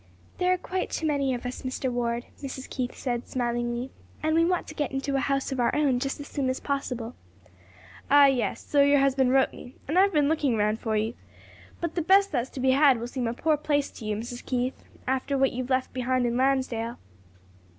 "There are quite too many of us, Mr. Ward," Mrs. Keith said, smilingly, "and we want to get into a house of our own just as soon as possible." "Ah yes, so your husband wrote me; and I've been looking round for you. But the best that's to be had will seem a poor place to you, Mrs. Keith, after what you've left behind in Lansdale."